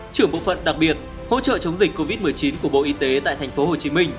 trưởng bộ phận đặc biệt hỗ trợ chống dịch covid một mươi chín của bộ y tế tại tp hcm